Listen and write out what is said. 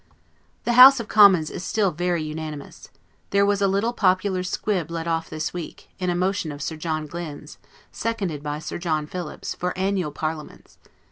The House of Commons is still very unanimous. There was a little popular squib let off this week, in a motion of Sir John Glynne's, seconded by Sir John Philips, for annual parliaments.